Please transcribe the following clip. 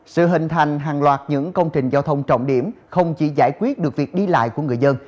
sự hình thành hàng loạt những công trình giao thông trọng điểm không chỉ giải quyết được việc đi lại của người dân